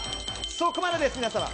そこまでです、皆様！